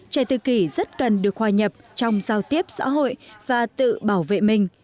trẻ tự kỷ rất cần được hòa nhập trong giao tiếp xã hội và tự bảo vệ mình